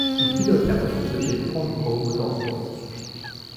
Il pilote la voiture de chez Front Row Motorsports.